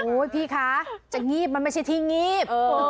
พี่คะจะงีบมันไม่ใช่ที่งีบ